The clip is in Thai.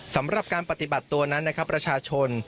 สำหรับการปฏิบัติตัวนั้นนะครับประชาชน